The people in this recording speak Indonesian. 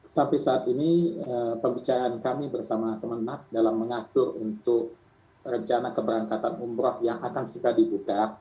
sampai saat ini pembicaraan kami bersama kemenang dalam mengatur untuk rencana keberangkatan umroh yang akan segera dibuka